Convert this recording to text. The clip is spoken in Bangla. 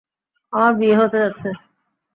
আমার বিয়ে হতে যাচ্ছে!